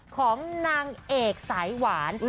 ของนางเอกสายหวาน